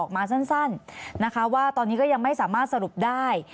มาสั้นนะคะว่าตอนนี้ก็ยังไม่สามารถสรุปได้